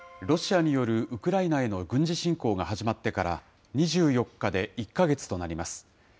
ロシアによるウクライナへの軍事侵攻が始まってから２４日で１か月となります。